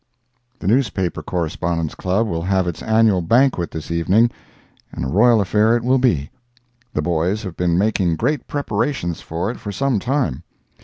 The Newspaper Correspondents' Club will have its annual banquet this evening, and a royal affair it will be. The boys have been making great preparations for it for some time.